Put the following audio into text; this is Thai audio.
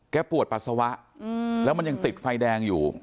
ปวดปัสสาวะแล้วมันยังติดไฟแดงอยู่